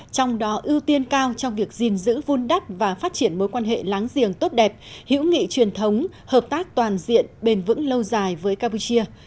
trong đó ưu tiên cao trong việc gìn giữ vun đắp và phát triển mối quan hệ láng giềng tốt đẹp hữu nghị truyền thống hợp tác toàn diện bền vững lâu dài với campuchia